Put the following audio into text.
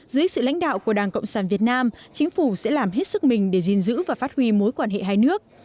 dưới sự lãnh đạo của đảng cộng sản việt nam chính phủ sẽ làm hết sức mình để gìn giữ và phát huy mối quan hệ hai nước